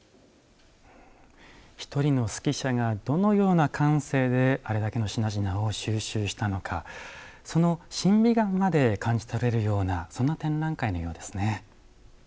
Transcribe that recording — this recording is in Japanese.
１人の識者がどのような完成であれだけの品々を収集したのか、その審美眼まで感じ取れるようなそんな展覧会のようですね。